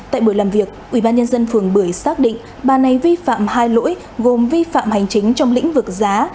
tại buổi làm việc ubnd phường bưởi xác định bà này vi phạm hai lỗi gồm vi phạm hành chính trong lĩnh vực giá